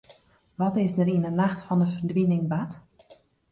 Wat is der yn 'e nacht fan de ferdwining bard?